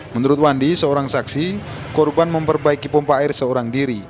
menurut wandi seorang saksi korban memperbaiki pompa air seorang diri